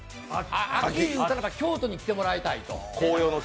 秋といえば京都に来てもらいたいと。